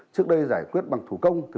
trước đây giải quyết bằng thủ công